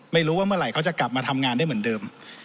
เมื่อไหร่เขาจะกลับมาทำงานได้เหมือนเดิม